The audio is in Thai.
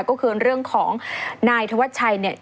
ก็คือเรื่องของนายธวัชชัยเนี่ย